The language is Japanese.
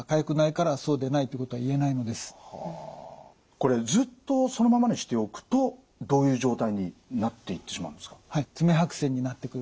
これずっとそのままにしておくとどういう状態になっていってしまうんですか？